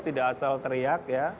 tidak asal teriak